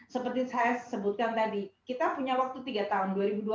seperti saya sebutkan tadi kita punya waktu tiga tahun